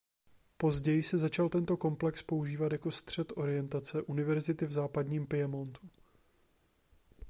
Později se začal tento komplex používat jako střed orientace Univerzity v západním Piemontu.